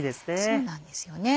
そうなんですよね。